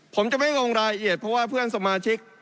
ผมจะไม่งงรายละเอียดเพราะว่าเพื่อนสมาชิก